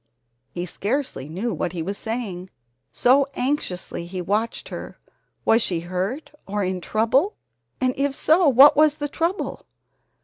He scarcely knew what he was saying, so anxiously he watched her. Was she hurt or in trouble, and if so, what was the trouble?